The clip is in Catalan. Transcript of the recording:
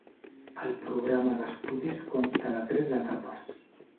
El programa d'estudis consta de tres etapes.